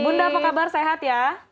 bunda apa kabar sehat ya